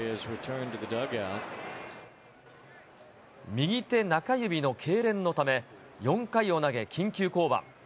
右手中指のけいれんのため、４回を投げ、緊急降板。